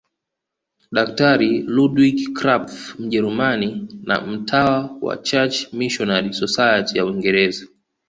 Daktari Ludwig Krapf Mjerumani na mtawa wa Church Missionary Society ya Uingereza